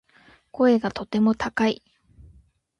声がとても高い